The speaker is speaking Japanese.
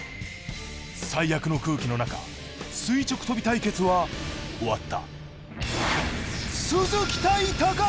最悪の空気の中垂直跳び対決は終わった。